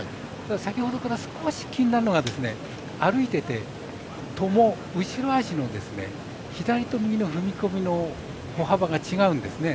先ほどから少し気になるのが歩いていてトモ、後ろ脚の左と右の踏み込みの歩幅が違うんですね。